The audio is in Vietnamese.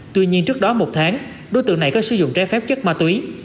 tuy nhiên trước đó một tháng đối tượng này có sử dụng trái phép chất ma túy